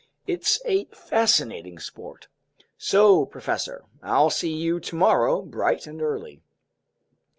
It's a fascinating sport. So, professor, I'll see you tomorrow, bright and early."